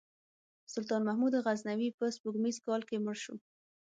سلطان محمود غزنوي په سپوږمیز کال کې مړ شو.